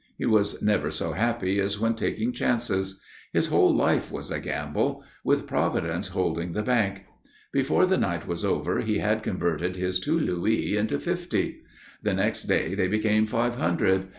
He was never so happy as when taking chances; his whole life was a gamble, with Providence holding the bank. Before the night was over he had converted his two louis into fifty. The next day they became five hundred.